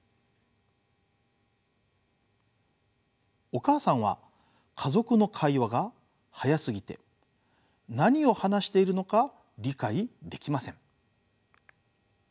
お母さんは家族の会話が速すぎて何を話しているのか理解できません。